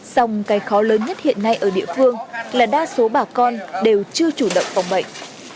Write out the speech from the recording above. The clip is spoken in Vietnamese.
xong cái khó lớn nhất hiện nay ở địa phương là đa số bà con đều chưa chủ động phòng bệnh